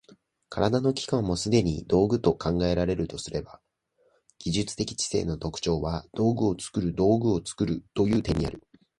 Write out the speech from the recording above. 身体の器官もすでに道具と考えられるとすれば、技術的知性の特徴は道具を作る道具を作るという点にある。